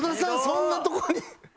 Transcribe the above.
そんなところに。